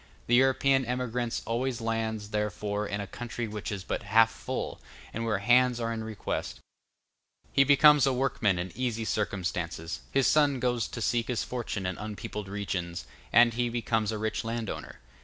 The European emigrant always lands, therefore, in a country which is but half full, and where hands are in request: he becomes a workman in easy circumstances; his son goes to seek his fortune in unpeopled regions, and he becomes a rich landowner.